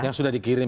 yang sudah dikirim